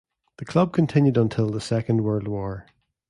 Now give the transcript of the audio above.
The club continued until the Second World War.